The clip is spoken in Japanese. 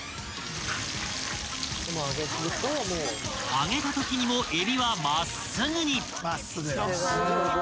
［揚げたときにもえびは真っすぐに］